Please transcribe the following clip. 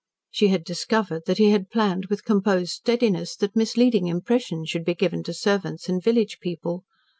She had discovered that he had planned with composed steadiness that misleading impressions should be given to servants and village people.